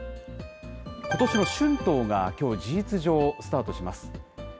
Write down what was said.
ことしの春闘がきょう、事実上、スタートします。